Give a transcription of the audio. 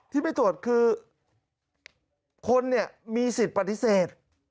ที่ไม่ตรวจครึ่งคนมีสิทธิ์ปฏิเสธ